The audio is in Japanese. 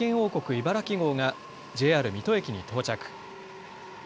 いばらき号がＪＲ水戸駅に到着。